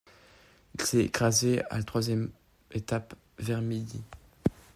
Il s'est écrasé à la troisième étape, vers midi.